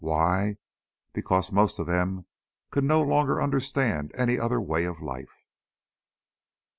Why? Because most of them could no longer understand any other way of life?